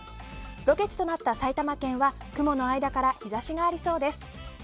ロケ地となった埼玉県は雲の間から日差しがありそうです。